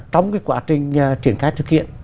trong cái quá trình triển khai thực hiện